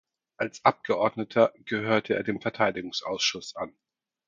Als Abgeordneter gehörte er dem Verteidigungsausschuss an.